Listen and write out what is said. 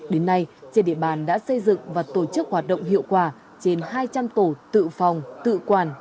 đến nay trên địa bàn đã xây dựng và tổ chức hoạt động hiệu quả trên hai trăm linh tổ tự phòng tự quản